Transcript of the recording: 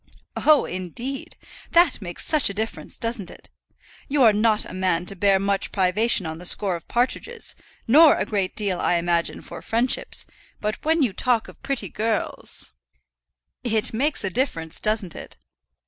"Oh, indeed. That makes such a difference; doesn't it? You are not a man to bear much privation on the score of partridges, nor a great deal, I imagine, for friendship. But when you talk of pretty girls " "It makes a difference, doesn't it?"